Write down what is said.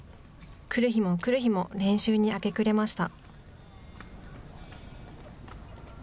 来る日も来る日も練習に明け暮れました。